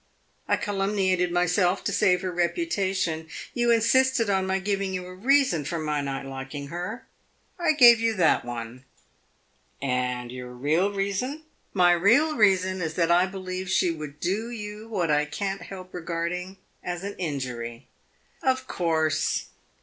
I calumniated myself, to save her reputation. You insisted on my giving you a reason for my not liking her I gave you that one." "And your real reason " "My real reason is that I believe she would do you what I can't help regarding as an injury." "Of course!"